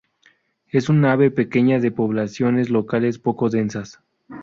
Es un ave pequeña de poblaciones locales poco densas.